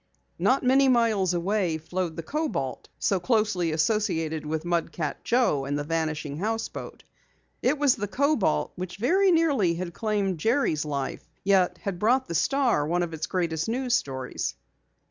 Not many miles away flowed the Kobalt, so closely associated with Mud Cat Joe and the Vanishing Houseboat. It was the Kobalt which very nearly had claimed Jerry's life, yet had brought the Star one of its greatest news stories.